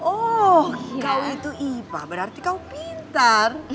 oh kau itu ipa berarti kau pintar